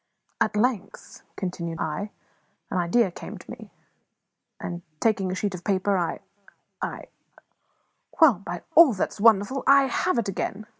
"At length," continued I, "an idea came to me; and, taking a sheet of paper, I I Why, by all that is wonderful, I have it again!"